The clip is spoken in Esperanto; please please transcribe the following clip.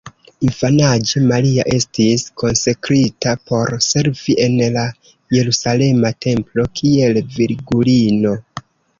Infanaĝe, Maria estis konsekrita por servi en la jerusalema templo kiel virgulino.